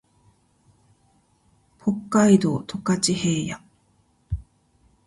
北海道十勝平野